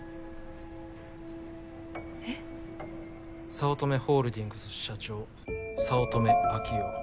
早乙女ホールディングス社長早乙女秋生